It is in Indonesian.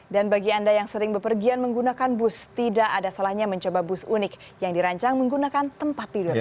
dan bagi anda yang sering berpergian menggunakan bus tidak ada salahnya mencoba bus unik yang dirancang menggunakan tempat tidur